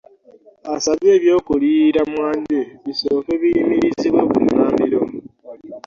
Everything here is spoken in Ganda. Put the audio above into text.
Asabye eby'okuliyirira Mwanje bisooke biyimirizibwe bunnambiro